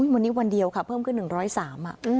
วันนี้วันเดียวค่ะเพิ่มขึ้น๑๐๓บาท